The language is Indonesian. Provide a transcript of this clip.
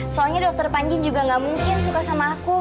soalnya dokter panji juga gak mungkin suka sama aku